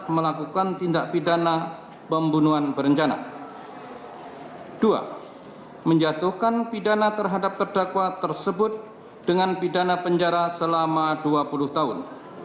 dua menjatuhkan pidana terhadap terdakwa tersebut dengan pidana penjara selama dua puluh tahun